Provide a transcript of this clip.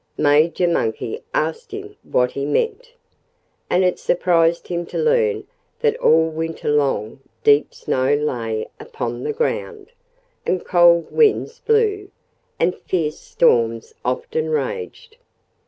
Major Monkey asked him what he meant. And it surprised him to learn that all winter long deep snow lay upon the ground, and cold winds blew, and fierce storms often raged.